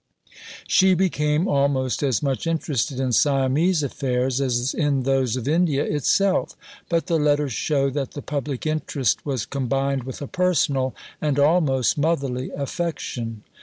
She became almost as much interested in Siamese affairs as in those of India itself; but the letters show that the public interest was combined with a personal, and almost motherly, affection.